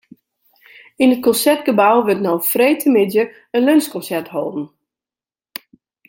Yn it Konsertgebou wurdt no freedtemiddei in lunsjkonsert holden.